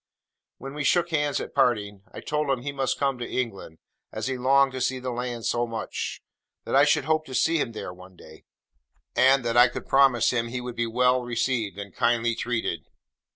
When we shook hands at parting, I told him he must come to England, as he longed to see the land so much: that I should hope to see him there, one day: and that I could promise him he would be well received and kindly treated.